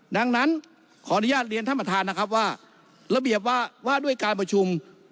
ดังนั้นขออนุญาตเรียนท่านประธานนะครับว่าระเบียบว่าว่าด้วยการประชุม